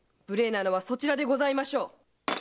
無礼なのはそちらでございましょう。